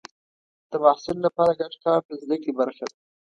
د محصل لپاره ګډ کار د زده کړې برخه ده.